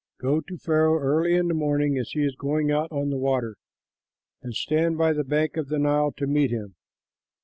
Go to Pharaoh early in the morning, as he is going out on the water, and stand by the bank of the Nile to meet him.